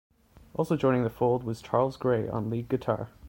Also joining the fold was Charles Gray on lead guitar.